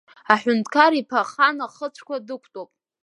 Аҳәынҭқар иԥҳа ахан ахыцәқәа дықәтәоуп.